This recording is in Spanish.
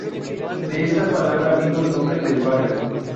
De esta palabra vino el nombre del barrio.